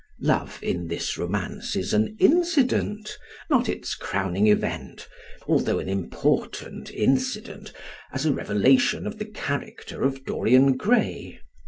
Love in this romance is an incident, not its crowning event, although an important incident as a revelation of the character of Dorian Gray.